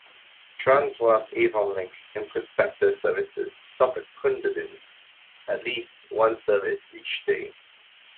Transwa's "Avonlink" and "Prospector" services stop at Cunderdin, at least one service each day.